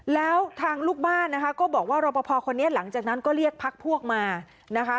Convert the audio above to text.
แล้วทางลูกบ้านนะคะก็บอกว่ารอปภคนนี้หลังจากนั้นก็เรียกพักพวกมานะคะ